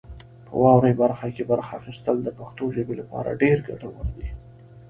په واورئ برخه کې برخه اخیستل د پښتو ژبې لپاره ډېر ګټور دي.